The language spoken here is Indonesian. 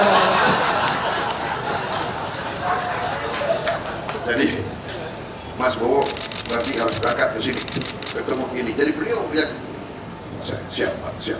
jadi mas bowo berarti harus berangkat kesini ketemu ini jadi beliau yang siap pak siap